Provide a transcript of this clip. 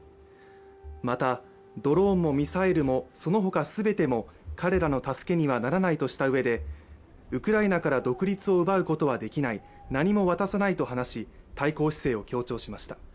またドローンもミサイルもその他全ても彼らの助けにはならないとしたうえで、ウクライナから独立を奪うことはできない、何も渡さないと話し、対抗姿勢を強調しました。